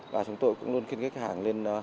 và chúng tôi cũng luôn khiến khách hàng lên